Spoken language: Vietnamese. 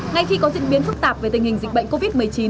ngay khi có diễn biến phức tạp về tình hình dịch bệnh covid một mươi chín